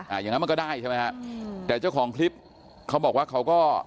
อย่างนั้นมันก็ได้ใช่ไหมฮะอืมแต่เจ้าของคลิปเขาบอกว่าเขาก็